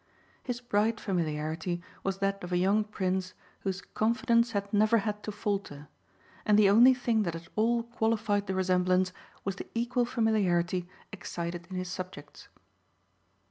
His bright familiarity was that of a young prince whose confidence had never had to falter, and the only thing that at all qualified the resemblance was the equal familiarity excited in his subjects.